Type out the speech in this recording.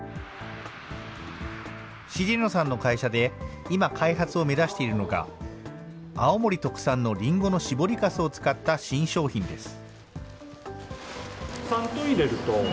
重野さんの会社で今、開発を目指しているのが、青森特産のりんごの搾りかすを使った新商品です。